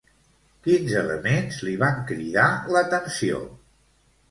Quins elements li van cridar l'atenció?